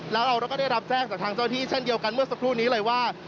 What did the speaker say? แล้วเราก็ได้รับแจ้งจากทางเจ้าที่เช่นเดียวกันเมื่อสักครู่นี้เลยว่า